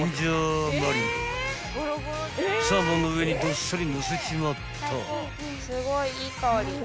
［サーモンの上にどっさりのせちまった］